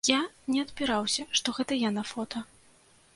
Я не адпіраўся, што гэта я на фота.